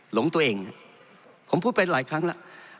หลงตัวเองผมพูดไปหลายครั้งแล้ว